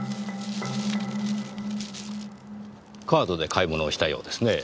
カードで買い物をしたようですねぇ。